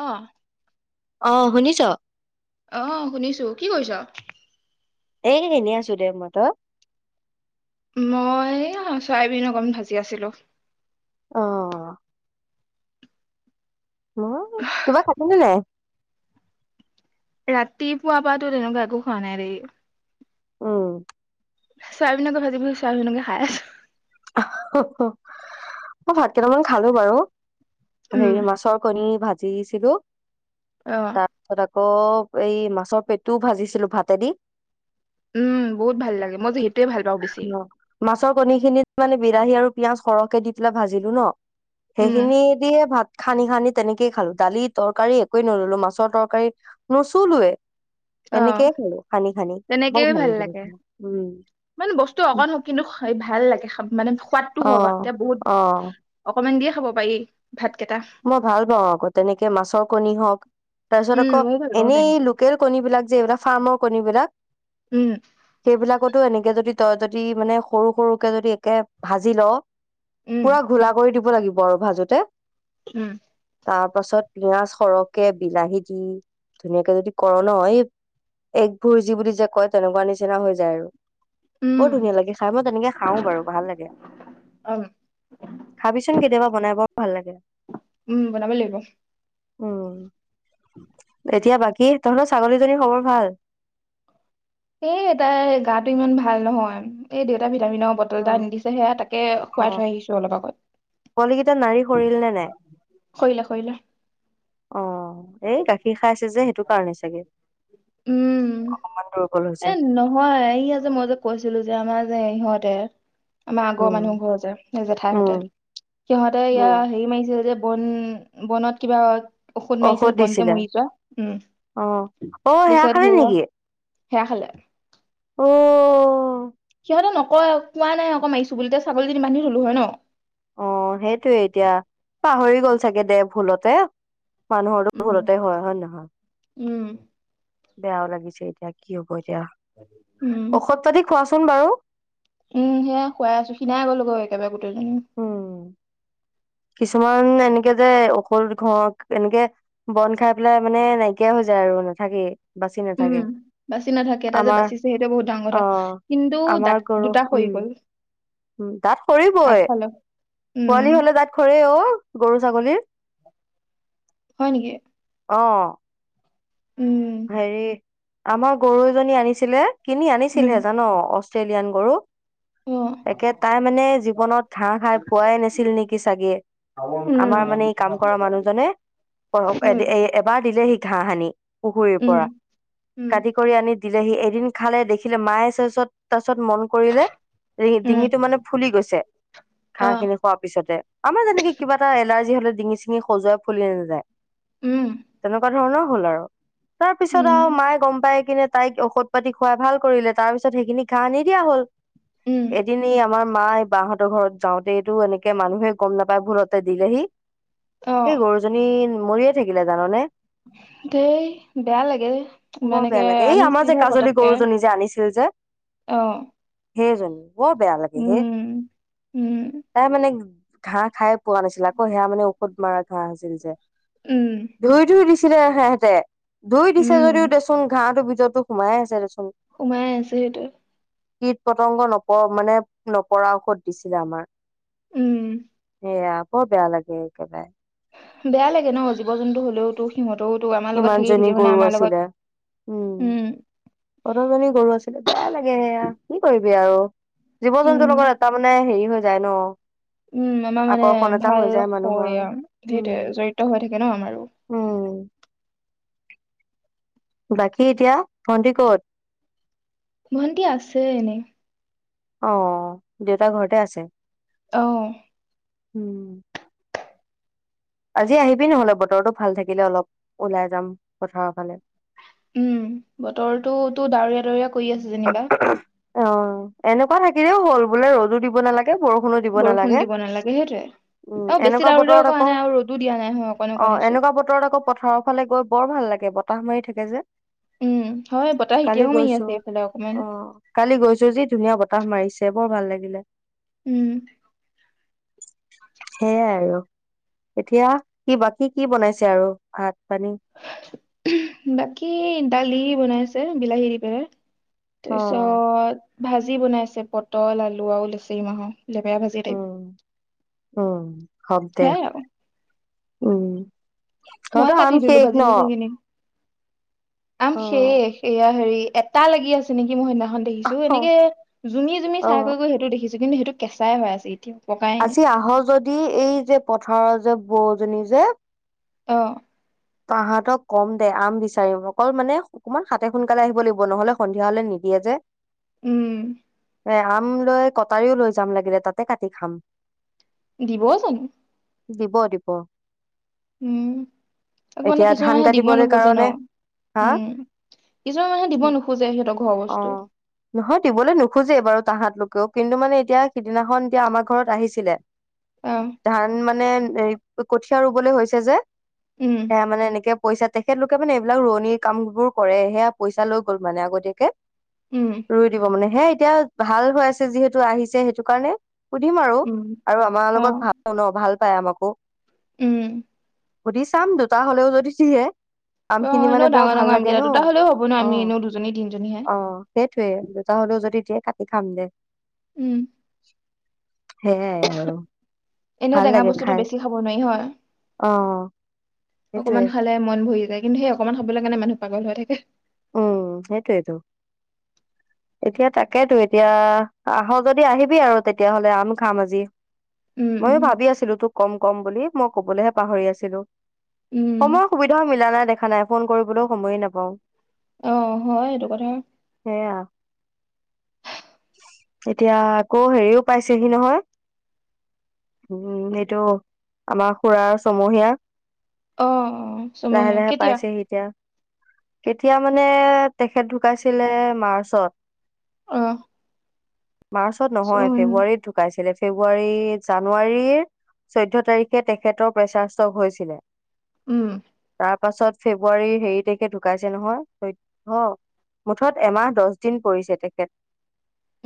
অহ অ শুনিছ অহ শুনিছো কি কৰিছ এই এনেই আছো দে মো ত মই চয়াবিন অকণ ভাজি আছিলো অ নহব কিবা খাবি নে নাই ৰাতিপুৱা পা তো তেনেকুৱা একো খোৱা নাই ৰেই উম চোৱাবিনকে ভাজি পিনে চোৱাবিনকে খাই আছো অ হ হ মই ভাত কেইটামান খালো বাৰু উম, হেৰি মাছৰ কণী ভাত চিঙিছিলো অহ তা পিছত আক আকৌ এই মাছৰ পেটোও ভাজিছিলো ভাতে দি উম বহুত ভাল লাগে মই যে হেইতোয়ে ভাল পাওঁ বেছি মাছ কণী খিনিত মানে বিলাহী আৰু পিঁয়াজ সৰহকে দি পেলাই ভাজিলো ন উম, সেইখিনি দিয়ে ভাত সানি সানি তেনেকেই খালো দালি তৰকাৰী একোৱে নললো মাছৰ তৰকাৰী নচুলোৱেই অ বৰ তেনেকেই ভাল লাগিলে লাগে খাই। উম মানে বস্তু অকণ কিন্তু ভাল লাগে খাম মানে সোৱাদটো অ হয় এতিয়া বহুত অ অকমান দিয়ে খাব পাৰি ভাতকেইটা মই ভাল পাও আকৌ তেনেকে মাছৰ কণী হওক তাৰ পিছত উম, আকৌ ময়ো ভাল পাওঁ এনেই তেনেকে লোকেল কণী বিলাক যিবিলাক ফাৰ্ম কনী বিলাক উম, সেইবিলাকত টো এনেকে যদি তই যদি মানে সৰু সৰুকে যদি একে ভাজি লৱ উম, পুৰা ঘোলা কৰি দিব লাগিব বৰ ভাজোতে উম তাৰ পাছত পিয়াজ সৰহকে বিলাহী দি ধুনীয়াকে যদি কৰ নয় এগবোৰ যি বুলি যে কয় তেনেকুৱা নিচিনা হৈ যায় আৰু বৰ উম, ধুনীয়া লাগে খাই মই তেনেকে খাওঁ‌ বাৰু ভাল লাগে খাবিচোন কেতিয়াবা বনাই বৰ ভাল লাগে। উম বনাব লাগিব। উম উম। তেতিয়া বাকী তহতৰ ছাগলীজনী খবৰ ভাল। এ তাই গাটো ইমান ভাল নহয় এ দেউতা ভি টামি বটল অ এটা নিদিছে সেয়া তাকে খোৱাই অ থৈ আহিছো অলপ আগত পোৱালি কেইটা নাৰী সৰিল নে নাই কৰিলা কৰিলা। অ' এই গাখীৰ খাইছে যে সেইটো কাৰণে চাগে উম অ' এ নহয় ই আছে মই যে কৈছিলো যে আমাৰ সিহঁতে আমাৰ আগৰ উম মানুহ ঘৰ যে জেঠাই হতে উম সিহঁতে ইয়া উম হেৰি মাৰিছে যে বন বনত কিবা ঔষধ মাৰিছিল বন যে মৰি যোৱা উম অ অ সেয়া তাৰপিছত খালে নেকি সেয়া হে হালে অ' ক নকই কোৱা নাই আকৌ মাৰিছো বুলি তেতিয়া ছাগলীজন বান্ধি থলো হয় ন? অ' সেইটোয়ে এতিয়া পাহৰি গ'ল। চাগে দে ভুলতে মানুহৰ দ উম ভোলতে হয় হয় উম নহয়। বেয়াও লাগিছে এইতিয়া কি হ'ব। এতিয়া উম ঔষধৰ খোৱা। চোন বাৰু উম সেয়া খুৱাই আছো খিনাই গ'লো গৈ একেবাৰে। উ উম কিছুমান এনেকে যে ঔষধ ঘক এনেকে বন খাই পেলাই মানে নাইকিয়া হৈ যায় আৰু নাথাকেই। বাচি উম নাথাকে বাচি নাথাকে এটা যে আমাৰ বাচিছে সেইটো বহুত ডাঙৰ অ কথা কিন্তু দ আমাৰ গৰু দুটা হৈ উম গ'ল উম দাঁত সৰিবই আগফালৰ উম পোৱালি হলে দাঁত অ' গৰু ছাগলীৰ হয় নেকি? অ' উম হৰে আমাৰ গৰু এজনী আনিছিলে। কিনি উম আনিছিলহে জান অ' অষ্ট্ৰেলিয়ান গৰু, অ একে তাই মানে জীৱনত ঘাঁহ খাই পোৱাই নাছিল নেকি চাগে, উম আমাৰ মানে উম এই কাম কৰা মানুহজনে এবাৰ দিলে হি ঘাহ আনি পুখুৰীৰ উম পৰা উম কাটি কৰি আনি দিলেহি এদিন খালে দেখিলে মায়ে চাইছে পিছত মন কৰিলে উম ডিঙিটো মানে ফুলি গৈছে অ ঘাঁহ খিনি খোৱাৰ পিছতে আমাৰ তেনেকি কিবা এটা এলাৰ্জি। আজি হলে ডিঙি চিঙি খজুৱাই ফুলি নাযায়। উম তেনেকুৱা ধৰণৰ হ'ল আৰু, তাৰ পিছত আৰু উম মায়ে গম পাই কিনে। তাইক ঔষধ পাতি খুৱাই ভাল কৰিলে তাৰ পিছত সেইখিনি ঘাঁ নিদিয়া হ'ল। উম এদিন ই আমাৰ মায় বাহঁতৰ ঘৰত যাওঁতেটো এনেকে মানুহে গম নাপায় ভুলতে দিলেহি, অ এই গৰুজনী মৰিয়ে থাকিলে জাননে। উ [unintelligible] দেই বেয়া লাগে বৰ বেয়া মানেকে লাগে এই আমাৰ যে আনিছিলহে কাজলী পতককে গৰুজনী যে আনিছিল যে আহ। সেইজনী। বৰ বেয়া লাগে হে উম তাই মানে, ঘাঁ খাই পোৱা নাছিলে আকৌ সেয়া মানে, ফুত মাৰা ঘাহ আছিল যে, উম ধুই ধুই দিছে চ [unintelligible] তে ধুই দিছে উম যদিও দেচোন ঘাঁহটো, নিজৰ তো হোমাই আছে সোমাই আছে সেইটো। কীট পতংগ নপৰক মানে নপৰা ঔষধ দিছিলে আমাৰ। উম বেয়া বৰ বেয়া লাগে একেবাই বেয়া লাগে ন জীৱ জন্তু হলেও তো সিহঁত, ইমান জনী গৰু আছিলে উম কতজনী গৰু আছিলে বেয়া লাগে সেয়া কি কৰিবম বেয়া আৰু জীৱ উম জন্তুৰ লগত এটা মানে হেৰি হয় যাই ন। উম আমাৰ মানে আকৰ্ষণ এটা ভাল হৈ যায় মানুহৰ হয় উম সেইটোৱে জৰিয়ত হৈ থাকে আমাৰো। উম বাকী এতিয়া ভন্টি ক'ত? ভণ্টি আছে এনেই। অ দেউতা ঘৰতে আছে? আহ। উম আজি আহিবি নহলে বতৰটো ভাল থাকিলে অলপ ওলাই যাম পথাৰৰ ফালে। উম বতৰটোতো ডাৱৰীয়া ডাৱৰীয়া। কৰি আছে যেনিবা। অ এনেকুৱা থাকিলেও হ'ল বোলে ৰদো দিব নালাগে। বৰষুণো দিব বৰষুণ নালাগে। দিব নালাগে সেইটোৱে উম অ বেছি এনেকুৱা ডাৱৰীয়াও বতৰত কৰা আকৌ নাই আৰু ৰ'দো দিয়া নাই হয় অকণ অ অকণ এচুক এনেকুৱা বতৰত আকৌ পথাৰৰ ফালে গৈ বৰ ভাল লাগে। পাহ মাৰি থাকে যে। উম হয় বতাহ কালি এতিয়াও মাৰি গৈছো আছে এইফালে। অকমান অ কালি গৈছো যি ধুনীয়া বতাহ মাৰিছে। বৰ ভাল লাগিলে। উম। সেইয়াই আৰু এতিয়া কি বা কি কি বনাইছে আৰু ভাত। পানী বাকী দালীও। বনাইছে বিলাহী দি পিনে। অ'। তাৰপিছত, ভাজি বনাইছে পটল, আলু আৰু লেচৰি মাহৰ লেপেৰা ভাজি টাইম। অহ হক দে। উম মইয়ে তহঁতৰ কাটি আম দিলো শেষ ভাজি ন? চাজি খিনি। আম অ', শেষ সেয়া হেৰি। এটা লাগি আছে নেকি সেই দেখিছো অ', এনেকে যুমি জুমি চাই গৈ অ'। সেইটো দেখিছো। যি সেইটো কেঁচাই হৈ আছে এতিয়া। পকাই নাই আজি আহ যদি এই যে পথাৰৰ যে। বৌএজন যে। অ তাহতক কম দে আম বিচাৰিম অকল মানে অকমান সাতে সোনকালে আহিব লাগিব নহলে সন্ধিয়া হলে নিদিয়ে যে। উম এ আম লৈ কটাৰীও লৈ যাম লাগিলে তাতে কাটি খাম দিব চাগে দিব দিব উম তাক মানে এতিয়া কিছুমান ধান মানুহে দিব কাটিবলৈ নোখোজে ন কাৰণে হা উম কিছুমান মানুহে দিব নোখোজে সিহঁতৰ ঘৰৰ অ বস্তু নহয় দিবলৈ নোখোজেই বাৰু তাহত লোক ক কিন্তু মানে এতিয়া সিদিনাখন এতিয়া আমাৰ ঘৰত আহিছিলে। অ ধান, মানে এই কঠীয়া, ৰুবলৈ হৈছে। যে সে উম মানে এনেকে পইচা তেখেতলোকে মানে এইবিলাক ৰোৱনিৰ কামবোৰ কৰে সেয়া পইচা লৈ গ'ল মানে আগতীয়াকে উম ৰুই দিব মানে হে এতিয়া ভাল হৈ আছে যিহেতু আহিছে সেইটো কাৰণে সুধিম আৰু উম আৰু আমাৰ অ লগত ভাল ন ভাল প মাক উম সুধ চাম দুতা হলেও যদি দিয়ে অ আমখিনি মানে এনেও বৰ ডাঙৰ ভাল ডাঙৰ লাগে আমকেইটা ন দুটা হলেও হ'ব ন অ আমি এনেও দুজনী তিনিজনীহে অ সেইটোৱে দুোতা হলেও যদি দিয়ে কাট খাম দে উম সেইয়াই আৰু এনেও ভাল টেঙা লাগে বস্তুটো খাই বেছি খাব নোৱাৰি হয় অ অকমান সেইটোয়ে খালে ম বহি যায় কিন্তু সেই অকমান খাববলৈ কাৰণে মানুহ পাগল হৈ থাকে। উম সেইটোয়েইটো এতিয়া তাকেইেতো এতিয়া আহ যদি আহিবি আৰু তেতিয়াাহলে আম খাম আজি। উম ময়ো উম ভাবি আছিলো তোক কম- ক'ম বুলি মই কবলৈহে পাহৰি আছিলো। উম সময়ৰ সুবিধাও মিলা নাই দেখা নাই। ফোন কৰিবলৈও সময়ে নাপাওঁ আহ হয় এইটো কথা। সেয়া এতিয়া আকৌ হেৰিও পাইছেহি নহয় উম এইটো আমাৰ খুৰাৰ চমহীয়া, আহ অ লাহে চমহীয়া লাহে কেতিয়া পাইছেহি এতিয়া কেতিয়া মানে তেখেত ঢুকাইছিলে মাৰ্চত অ মাৰ্চত নহয় উম ফেব্ৰুৱাৰীত ঢুকাইছিলে ফেব্ৰুৱাৰী জানুৱাৰীৰ চৈধয় তাৰিখে তেখেতৰ প্ৰেচাৰ ষ্টক হৈছিলে। উম তাৰ পাছত ফেব্ৰুৱাৰী হেৰি তাৰিখে ঢুকাইছে নহয় মুঠত এমাহ দহ দিন পৰিছে তেখেত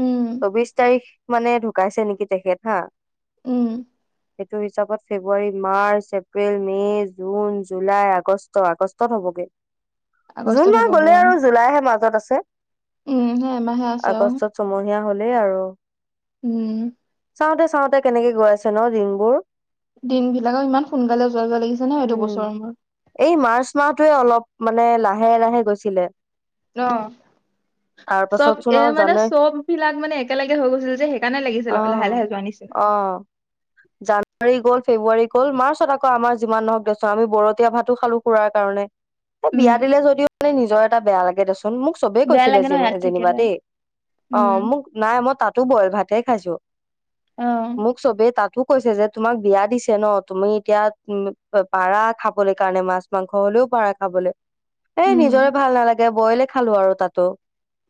উম চৌবিশ তাৰিখ মানে ঢুকাইছে নেকি তেখেত হা উম সেইটো হিচাপত ফেব্ৰুৱাৰী মাৰ্চ এপ্ৰিল মে' জুন জুলাই আগষ্ট আগষ্টত হ'বগে জুন আগষ্টত মাহ হ'বগৈ গ'লে অ আৰু জুলাইহে মাজত আছে উম সেই এমাহে আছে আৰু আগষ্টত চমহী এতিয়া হ'লেই আৰু। উম। চাওঁতে চাওঁতে কেনেকে গৈ আছে ন দিনবোৰ। দিন বিলাকে ইমান সোনকালে যোৱা যোৱা লাগিছে নহ এইটো উম বছৰৰ মোৰ। এই মাৰ্চ মাহটোৱে অলপ মানে লাহে লাহে গৈছিলে। অহ তাৰ চব। পাছত চোন এ আৰু মানে জানুৱাৰী চব বিলাক মানে একেলগে হৈ গৈছিল যে। সেইকাৰণে লাগিছিল অ লাহে লাহে যোৱা নিচিনা। অ জানুৱাৰী গ'ল ফেব্ৰুৱাৰী গ'ল মাৰ্চত আকৌ আমাৰ যিমান নহওঁক দে আমি বৰতীয়া ভাতো খালোঁ খুড়াৰ কাৰণে। এ উম বিয়া দিলে যদিও মানে নিজৰ। এটা বেয়া লাগে - মোক চবে বেয়া কৈছিলে লাগে ন যে ইয়াত যেনিবা। থাকিলে দেই অ উম মোক নাই মই তাত। তো বইল ভাতে খাইছোঁ। অ মুখ চৱে তাতো। কৈছে যে তোমাক বিয়া দিছে ন তুমি এতিয়া উ পাৰা খাবলৈ কাৰণে মাছ মাংস হ'লেও পাৰা খাবলৈ। এ উম নিজৰে ভাল নালাগে। যে বইলে খালোঁ আৰু তাতো।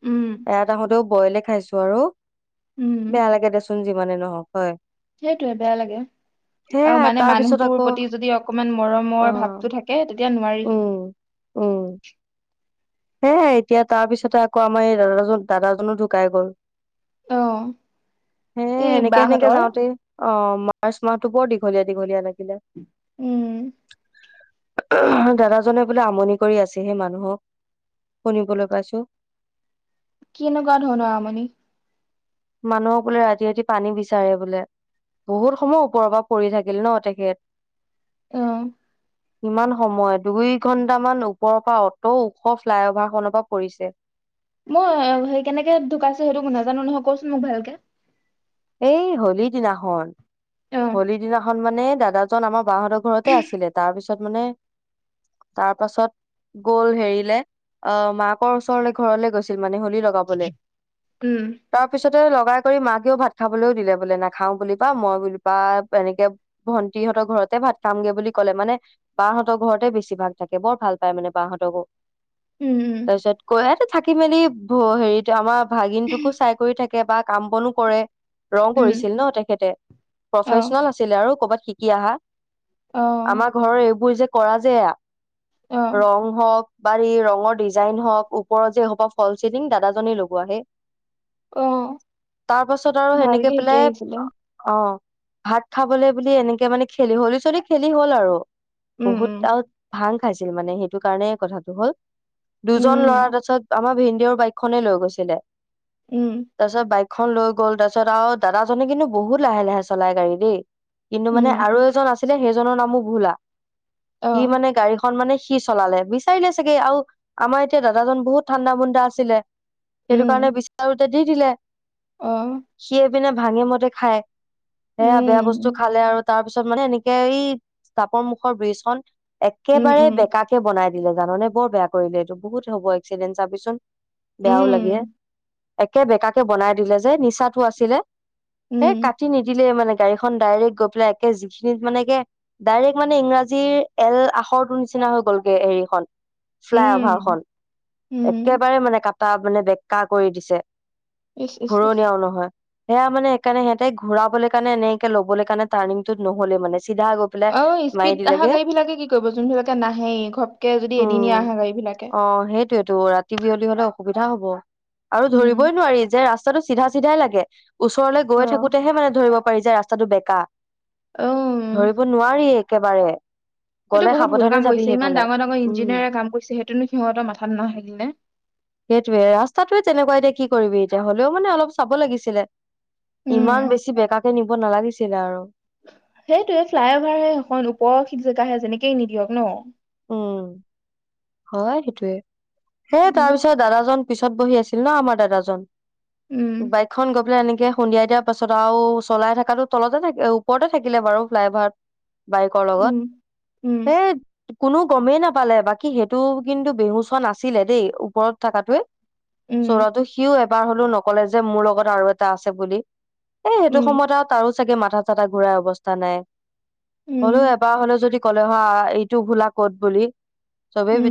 উম এয়াত আহোঁতেও। বইলে খাইছোঁ আৰু। বেয়া লাগে দেচোন যি যি মানে নহওঁক হয়। সেইটোৱে বেয়া লাগে সেয়া আৰু মানে তাৰ পিছত মানুহটোৰ আকৌ প্ৰতি যদি অকমান অ মৰমৰ ভাৱটো থাকে তেতিয়া নোৱাৰি। উম হে এতিয়া তাৰ পিছতে আকৌ আমাৰ এই দাদাজন দাদাজনো ঢুকাই গ'ল। অ হেই এই সেনেকে সেনেকে বাহঁতৰ যাওঁতেই অ মাৰ্চ মাহটো বৰ দি- দীঘলীয়া দীঘলীয়া এনেকে। উম। দাদাজনে বোলে আমনি কৰি আছেহি মানুহক শুনিবলৈ পাইছোঁ। কেনেকুৱা ধৰণৰ আমনি? মানুহক বোলে ৰাতি ৰাতি পানী বিচাৰে বোলে বহুত সময় ওপৰৰ পৰা পৰি থাকিল ন তেখেত। অহ। ইমান সময় দুই ঘন্টামান ওপৰৰ পৰা অটো ওখ ফ্লাইঅভাৰখনৰ পৰা পৰিছে। মই সেই কেনেকে ঢুকাইছে সেইটো নাজানোঁ নহয় কচোন মোক ভালকে। এই হলি দিনাখন। অ হলি দিনা। মানে দাদাজন আমাৰ। বাহৰ ঘৰতে আছিলে তাৰ পিছত। তাত মানে, তাৰ পাছত গ'ল হেৰিলে আহ মাকৰ ওচৰলৈ ঘৰলে গৈছিল মানে হলি লগাবলে। উম। তাৰ পিছতে লগাই কৰি মাকেও ভাত। খাবলৈও দিলে বোলে, নাখাও বুলি পা মই বো পা এনেকে ভন্টিহঁতৰ ঘৰতে ভাত খামগে বুলি কলে মানে বাহঁতৰ ঘৰতে বেছি ভাগ থাকে বৰ ভাল পায় মানে বাহঁতকো উম উম তাৰ পিছত কৈ থাকি মেলি হেৰি আমাৰ ভাগিনটোকো চাই কৰি থাকে বা কাম বনো কৰে। ৰং উম কৰিছিল ন তেখেতে, অ প্ৰফেচনেল আছিলে আৰু ক'বাত। শিকি আহা। অ আমাৰ ঘৰৰ এইবোৰ যে। কৰা যেয়া। অ ৰং হওক। বাাৰ ৰঙৰ ডিজাইন হওঁক ওপৰ যে হ'ব ফল চিলিং দাদাজনী লগোৱা হে। অঁ। তাৰ হেনেকে পেলাই অ। অ ভাত খাবলৈ বুলি এনেকে মানে খেলি হলি চলি খেলি হল আৰু। উম বহুত উম আৰু ভাং। খাইছিল মানে সেইটো কাৰণে কথাটো হ'ল। দুজন উম ল'ৰা তাৰাছত আমাৰ ভি। তেওঁ বাইকখনে লৈ গৈছিলে। উম তাৰ পাছত বাইক। এখন লোক। গ'ল তাৰপিছত আৰু দাদাজনে কিন্তু বহুত লাহে লাহে চলাই গাড়ী দেই। কিন্তু মানে উম আৰু এজন আছে। সেইজনৰ নামো ভোলা। অ সি মানে গাড়ীখন মানে। সি চলালে বিচাৰিলে চাগে, আৰু আমাৰ এতিয়া দাদাজন বহুত ঠাণ্ডা মুণ্ডা আছিলে। সেইটো উম কাৰণে বিচাৰো। দি দিলে। সি। পিনে ভাঙে মদে খাই। সেয়া বেয়া বস্তু খালে আৰু। তাৰ পিছত মানে এনেকে এই তাপৰ মুখৰ ব্ৰীজখন। একেবাৰে বেকাকে বনাই। দিলে জান নে বৰ বেয়া কৰিলে এইটো বহুত হ'ব এক্সিডেণ্ট চাবিচোন বেয়াও লাগে। একে বেকাকে বনাই দিলে যে নিচাটো আছিলে। এ কাটি নিদিলে মানে গাড়ীখন ডাইৰেক্ট গৈ পেলাই একে যিখিনিত মানে কে ডাইৰেক্ট মানে ইংৰাজীৰ এল আখৰটোৰ নিচিনা হৈ গলগে হেৰিখন ফ্লাই অভাৰ খ একেবাৰে মানে কাপ তটা মানে বেক্কা কৰি দিছে ইচ ইচ ইচ ঘূৰণীয়াও নহয় সেয়া মানে সেইকাৰণে সহতে ঘুৰাবলৈ কাৰণ এনেকে ল'বলৈ কাৰণে টাৰ্ণিংটো নহ'লে মানে চিধা গৈ পেলাই অ মাৰি স্পীড অহা দিলেগে গাড়ী বিলাকে কি কৰিব যোনবিলাকে নাহেই ঘপকে যদি এদিনিয়া উম আহা গাড়ী বিলাকে সুবিধা হ'ব আৰু উম ধৰিবই নোৱাৰি যে ৰাস সেই টো চিধা চিধাই লাগে ওচৰলৈ অ গৈ থাকোঁতেহে মানে ধৰিব কৰি যে ৰাস্তাটো বেকা ধৰিব নোৱাৰি একেবাৰে সেইটো গ'লে বহুত ভুল সাৱধানে কাম যাবি কৰিছে ইমান সেইফালে। ডাঙৰ ডাঙৰ উম, ইঞ্জিনিয়াৰে কাম কৰিছে সেইটোনো সিহঁতৰ মাথাত নথাকিল নে সেইটোয়ে ৰাস্তাটোয়ে তেনেকুৱা এতিয়া কি কৰিবি এতিয়া হ'লে মানে অলপ চাব লাগিছিলে ইমান উম বেছি বেকাকে নিব নালাগিছিলে দিলে আৰু সেইটো ফ্লাই অভাৰ হে সেই খন উপৰখিনি জেগাহে যেনেকেই নিদিয়ক ন উম হয় সেইটোৱে হেই তাৰ উম ওচৰৰ দাদাজন পিছত বহি আছিল ন আমাৰ দাদাজন উম বাইকখন গৈ পেলাই কে সন্ধিয়া দিয়াৰ পাছত আৰু চলাই থাকাতো তলতে থাকে ওপৰতে থাকিলে বাৰু ফ্লাই অভাৰত বাইেকৰ লগত উম উম এ কোনো গমেই নাপালে বাকী সেইটো কিন্তু বেহু চোৱা নাছিলে দেই ওপৰত থকাতোৱে উম চৰাটো সিও [unintelligible] এবাৰ হলেও নকলে যে মোৰ লগত আৰু এটা আছে বুলি এ সেইটো উম সময়ত আৰু তাৰো চাগে মাথা চাথা ঘূৰাই অৱস্থা নাই? হ'লো উম এবাৰ হ'লে যদি ক'লে হা এই ভোলা ক'ত বুলি চবে উম